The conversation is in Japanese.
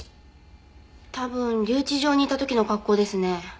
多分留置場にいた時の格好ですね。